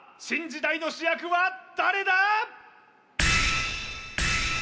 新時代の主役は誰だ？